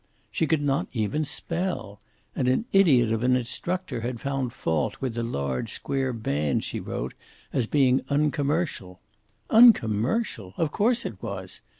She could not even spell! And an idiot of an instructor had found fault with the large square band she wrote, as being uncommercial. Uncommercial! Of course it was.